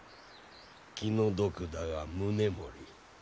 気の毒だが宗盛